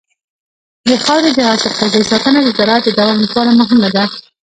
د خاورې د حاصلخېزۍ ساتنه د زراعت د دوام لپاره مهمه ده.